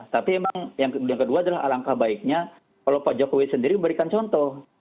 tapi memang yang kedua adalah alangkah baiknya kalau pak jokowi sendiri memberikan contoh